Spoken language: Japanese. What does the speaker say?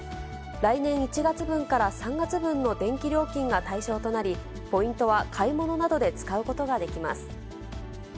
来年１月分から３月分の電気料金が対象となり、ポイントは買い物などで使うことができます。